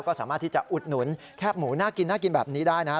ก็สามารถที่จะอุดหนุนแคบหมูน่ากินน่ากินแบบนี้ได้นะครับ